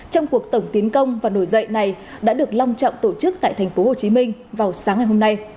trong cuộc tổng tiến công và nổi dậy này đã được long trọng tổ chức tại tp hcm vào sáng ngày hôm nay